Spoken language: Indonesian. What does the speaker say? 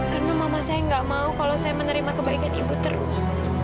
karena mama saya gak mau kalau saya menerima kebaikan ibu terus